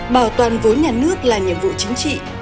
bảo toàn vốn nhà nước là nhiệm vụ chính trị